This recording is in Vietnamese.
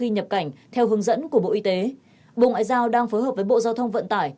nhập cảnh theo hướng dẫn của bộ y tế bộ ngoại giao đang phối hợp với bộ giao thông vận tải